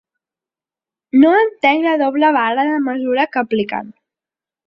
No entenc la doble vara de mesura que apliquen.